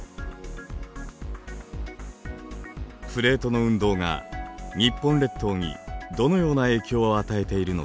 プレートの運動が日本列島にどのような影響を与えているのか。